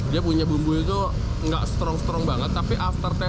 dia punya bumbunya tuh nggak strong strong banget tapi after testnya itu baru berasa rempahnya